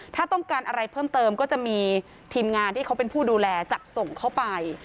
ถ้าต้องการอะไรเพิ่มเติมก็จะมีทีมงานที่เขาเป็นผู้ดูแลจัดส่งเข้าไป